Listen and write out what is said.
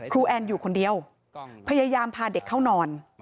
แอนอยู่คนเดียวพยายามพาเด็กเข้านอน